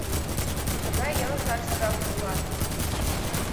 Тыгай ялыштат садак ойлат.